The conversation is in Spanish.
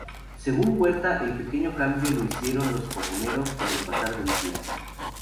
Según Huerta el pequeño cambio lo hicieron los comuneros con el pasar del tiempo.